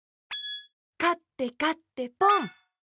かってかってポン！